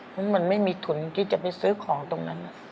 เพราะมันไม่มีทุนที่จะไปซื้อของตรงนั้น